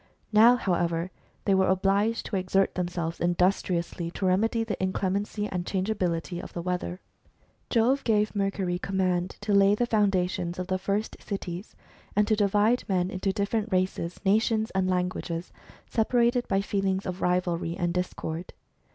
Now, however, they were obliged to exert themselves industriously to remedy the inclemency and changeability of the weather. Jove gave Mercury command to lay the foundations of the first cities, and to divide men into different races, nations, and languages, separated by feelings of rivalry and discord.